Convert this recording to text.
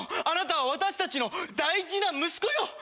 あなたは私たちの大事な息子よ。